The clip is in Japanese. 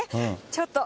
ちょっと。